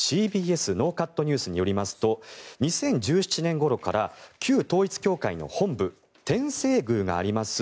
ＣＢＳノーカットニュースによりますと２０１７年ごろから旧統一教会の本部天正宮があります